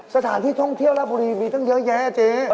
สถานที่ท่องเที่ยวและบุรีมีตั้งเยอะแยะเจ๊